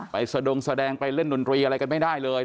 ไปสะดงแสดงไปเล่นดนตรีอะไรกันไม่ได้เลย